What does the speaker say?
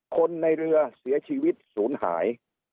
คนในเรือเสียชีวิตศูนย์หาย